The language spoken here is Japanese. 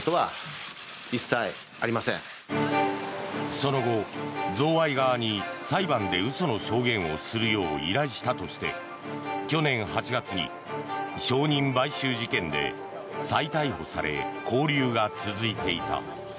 その後、贈賄側に裁判で嘘の証言をするよう依頼したとして去年８月に証人買収事件で再逮捕され、勾留が続いていた。